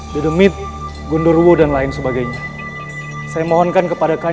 penghuni hutan larangan adalah bangsa lelembut